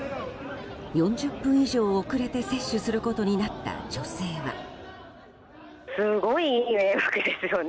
４０分以上遅れて接種することになった女性は。